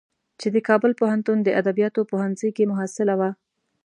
چې د کابل پوهنتون د ادبیاتو پوهنځی کې محصله وه.